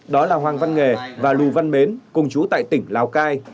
đó là hoàng văn nghề và lù văn mến cùng chú tại tỉnh lào cai